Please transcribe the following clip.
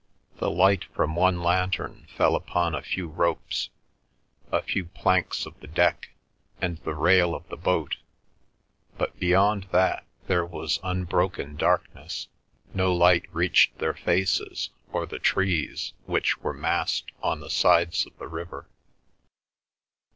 The light from one lantern fell upon a few ropes, a few planks of the deck, and the rail of the boat, but beyond that there was unbroken darkness, no light reached their faces, or the trees which were massed on the sides of the river.